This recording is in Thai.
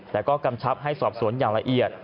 แต่ก็กำชับให้สอบสวนอย่างละเอียด